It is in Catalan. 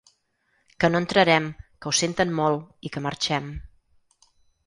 Que no entrarem, que ho senten molt i que marxem.